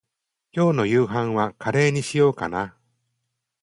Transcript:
今日の夕飯はカレーにしようかな。